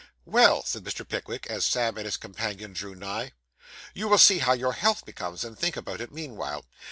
'Well,' said Mr. Pickwick, as Sam and his companion drew nigh, 'you will see how your health becomes, and think about it meanwhile.